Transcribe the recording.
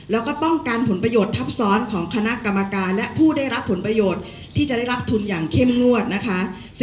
แล้วก็ป้องกันผลประโยชน์ทับซ้อนของคณะกรรมการและผู้ได้รับผลประโยชน์ที่จะได้รับทุนอย่างเข้มงวดนะคะ